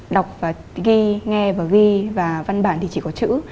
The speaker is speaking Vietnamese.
đọc và ghi nghe và ghi và văn bản thì chỉ có chữ